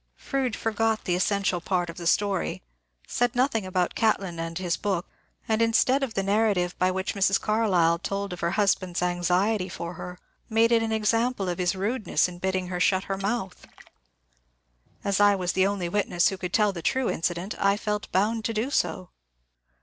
Froude forgot the essential part of the stoiy, said nothing about Catlin and his book, and, instead of the narrative by which Mrs. Carlyle told of her husband's anxiety for her, made it an example of his rudeness in bidding her shut her mouth. As I was the only witness who could tell the true incident, I felt bound to do so.